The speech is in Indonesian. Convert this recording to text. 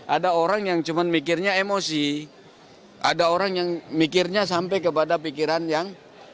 ada orang yang cuma mikirnya emosi ada orang yang mikirnya sampai kepada pikiran yang